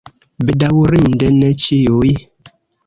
Bedaŭrinde ne ĉiuj.